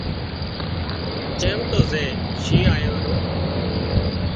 چم تو زي شينهن آيو رو